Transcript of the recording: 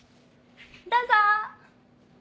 どうぞ。